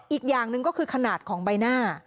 อีกอย่างหนึ่งก็คือขนาดของใบหน้า